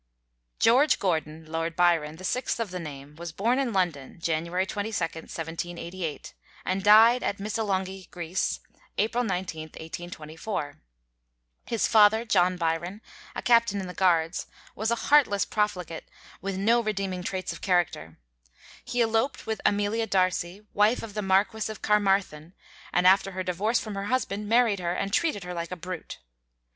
George Gordon, Lord Byron, the sixth of the name, was born in London, January 22d, 1788, and died at Missolonghi, Greece, April 19th, 1824. His father, John Byron, a captain in the Guards, was a heartless profligate with no redeeming traits of character. He eloped with Amelia D'Arcy, wife of the Marquis of Carmarthen, and after her divorce from her husband married her and treated her like a brute.